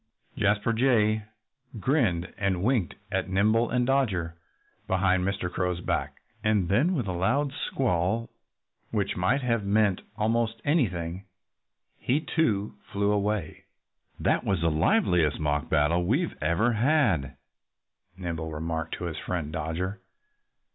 Jasper Jay grinned and winked at Nimble and Dodger behind Mr. Crow's back. And then with a loud squall which might have meant almost anything he too flew away. "That was the liveliest mock battle we ever had," Nimble remarked to his friend Dodger.